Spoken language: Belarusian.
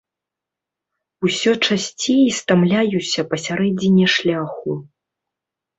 Усё часцей стамляюся пасярэдзіне шляху.